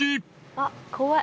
あっ怖い。